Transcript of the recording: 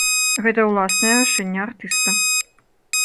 Гэта ўласнае рашэнне артыста.